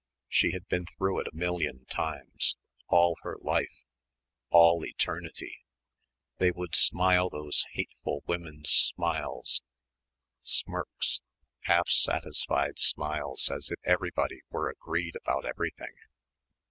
She had been through it a million times all her life all eternity. They would smile those hateful women's smiles smirks self satisfied smiles as if everybody were agreed about everything.